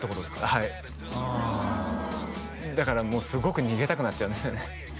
はいだからもうすごく逃げたくなっちゃうんですよね